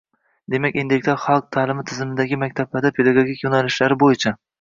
Demak, endilikda xalq ta’limi tizimidagi maktablarda pedagogika yo‘nalishlari bo‘yicha